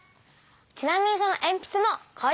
ちなみにそのえんぴつも工業製品。